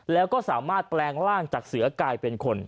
แล้วก็สามารถแปลงร่างจากเสือกลายเป็นคน